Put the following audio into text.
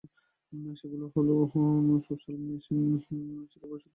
সেগুলো হলো: social machine, শিক্ষার ভবিষ্যৎ, গণতান্ত্রিক মাধ্যম, ওপেন স্কলারশিপ এবং মুক্ত উপাত্ত।